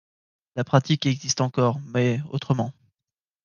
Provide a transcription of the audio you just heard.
La pratique existe encore, mais autrement.